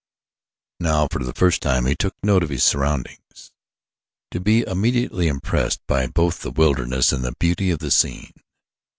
Now for the first time he took note of his surroundings, to be immediately impressed by both the wildness and the beauty of the scene.